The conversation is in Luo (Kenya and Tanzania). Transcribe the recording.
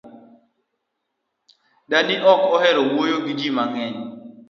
Dani ok ohero wuoyo gi jii mang’eny